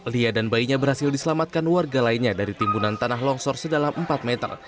lia dan bayinya berhasil diselamatkan warga lainnya dari timbunan tanah longsor sedalam empat meter